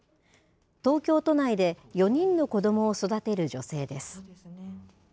東京都内で４人の子どもを育てる女性です。